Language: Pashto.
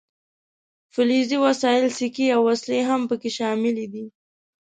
فلزي وسایل سیکې او وسلې هم پکې شاملې دي.